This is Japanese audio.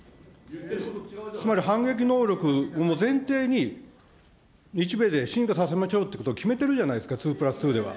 つまり反撃能力を前提に、日米でしんかさせましょうということを決めてるじゃないですか、２プラス２では。